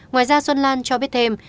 ngoài ra xuân lan cho biết thêm